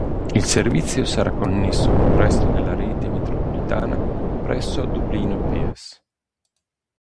Il servizio sarà connesso col resto della rete metropolitana presso Dublino Pearse.